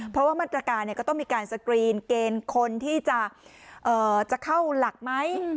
เพราะว่ามาตรการก็ต้องมีการสกรีนเกณฑ์คนที่จะเข้าหลักไหม